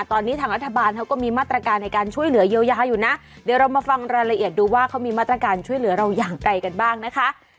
ตอนนี้ทางรัฐบาลเขาก็มีมาตรการในการช่วยเหลือเยียวยาอยู่นะเดี๋ยวเรามาฟังรายละเอียดดูว่าเขามีมาตรการช่วยเหลือเราอย่างไกลกันบ้างนะคะ